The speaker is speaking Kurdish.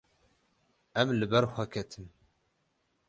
Em li ber xwe ketin.